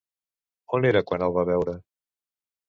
On era quan el va veure?